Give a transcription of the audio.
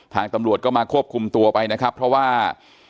ตำรวจก็มาควบคุมตัวไปนะครับเพราะว่า